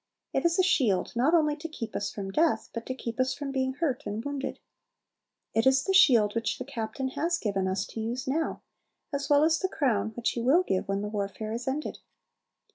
It is a shield not only to keep us from death, but to keep us from being hurt and wounded. It is the shield which the Captain has given us to use now, as well as the crown which He will give when the warfare is ended.